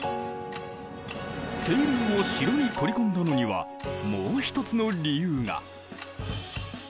清流を城に取り込んだのにはもう一つの理由が。